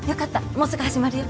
もうすぐ始まるよ。